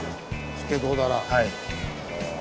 スケトウダラ！